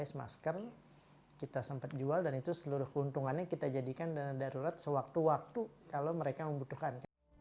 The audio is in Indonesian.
pakai masker kita sempat jual dan itu seluruh keuntungannya kita jadikan dana darurat sewaktu waktu kalau mereka membutuhkan